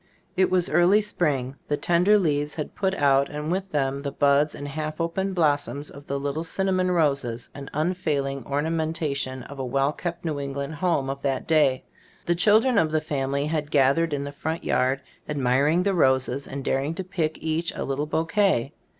It was early spring. The tender leaves had put out and with them the buds and half open blossoms of the little cinnamon roses, an unfailing orna mentation of a well kept New Eng land home of that day. The children of the family had gathered in the front yard, admiring the roses and daring to pick each a little bouquet.